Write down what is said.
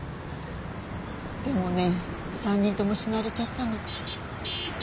でもね３人とも死なれちゃったの。